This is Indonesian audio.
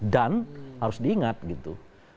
dan harus diingat gitu